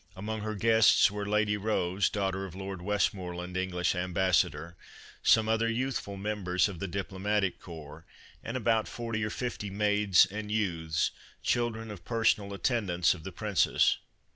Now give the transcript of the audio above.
Among her guests were Lady Rose, daughter of Lord Westmoreland, English Ambassador, some other youthful members of the Diplomatic Corps and about forty or fifty maids and youths, children of personal attendants of the Princess.